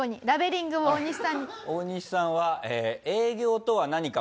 オオニシさんは営業とは何か？